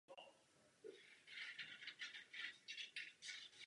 Zasadily se o rozvoj obchodování na internetu?